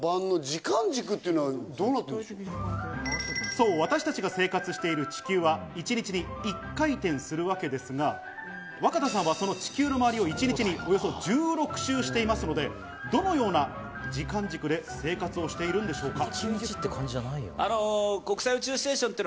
そう、私たちが生活している地球は一日に１回転するわけですが、若田さんはその地球の周りを一日におよそ１６周していますので、どのような時間軸で生活をしているんでしょうか？